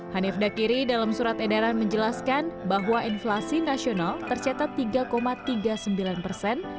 hanif dakiri dalam surat edaran menjelaskan bahwa inflasi nasional tercetak tiga tiga puluh sembilan persen